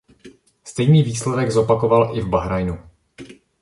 Stejný výsledek zopakoval i v Bahrajnu.